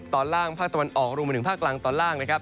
ตอนล่างภาคตะวันออกรวมไปถึงภาคกลางตอนล่างนะครับ